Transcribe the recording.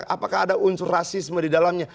apakah ada unsur rasisme di dalamnya